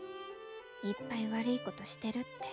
いっぱいわるいことしてるって。